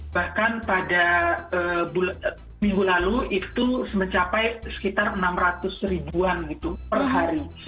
bahkan pada minggu lalu itu mencapai sekitar enam ratus ribuan gitu per hari